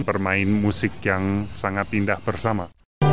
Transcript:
bermain musik yang sangat indah bersama